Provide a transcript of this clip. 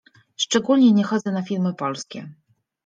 Szczególnie nie chodzę na filmy polskie